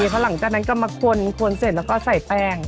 เพราะหลังจากนั้นก็มาคนเสร็จแล้วก็ใส่แป้ง